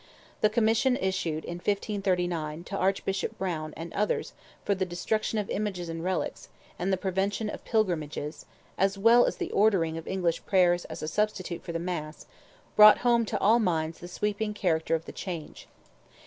The Commission issued in 1539 to Archbishop Browne and others for the destruction of images and relics, and the prevention of pilgrimages, as well as the ordering of English prayers as a substitute for the Mass, brought home to all minds the sweeping character of the change.